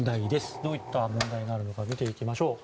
どういった問題があるのか見ていきましょう。